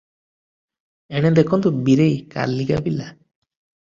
ଏଣେ ଦେଖନ୍ତୁ, ବୀରେଇ କାଲିକା ପିଲା ।"